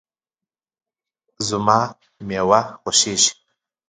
زما مېوه خوښیږي